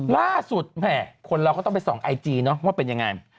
ล่าสุดคนเราก็ต้องไปส่องไอจีว่าเป็นอย่างไร